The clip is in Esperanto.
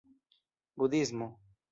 budhismo